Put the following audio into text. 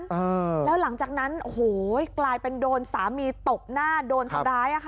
แล้วหลังจากนั้นกลายเป็นโดนสามีตบหน้าโดนทำร้าย